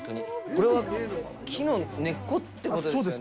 これは木の根っこってことですよね。